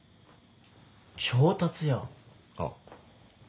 ああ。